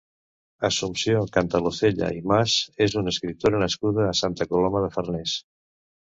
Assumpció Cantalozella i Mas és una escriptora nascuda a Santa Coloma de Farners.